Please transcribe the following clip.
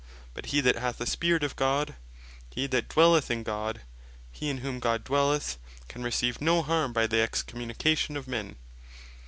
But hee that hath the Spirit of God; hee that dwelleth in God; hee in whom God dwelleth, can receive no harm by the Excommunication of men.